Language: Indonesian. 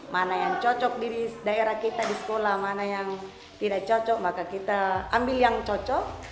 mana yang cocok di daerah kita di sekolah mana yang tidak cocok maka kita ambil yang cocok